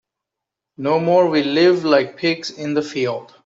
No more we live like pigs in the field.